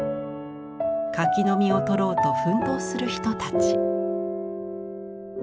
柿の実をとろうと奮闘する人たち。